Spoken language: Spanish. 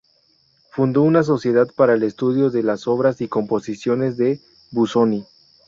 Fundó una sociedad para el estudio de las obras y composiciones de Busoni.